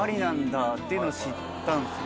いうのを知ったんすよ。